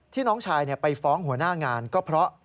น้องชายไปฟ้องหัวหน้างานก็เพราะ